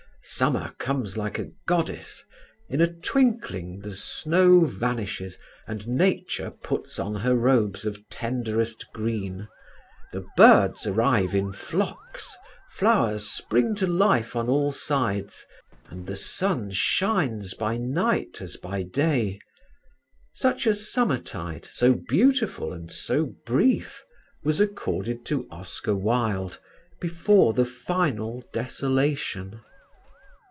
Summer comes like a goddess; in a twinkling the snow vanishes and Nature puts on her robes of tenderest green; the birds arrive in flocks; flowers spring to life on all sides, and the sun shines by night as by day. Such a summertide, so beautiful and so brief, was accorded to Oscar Wilde before the final desolation.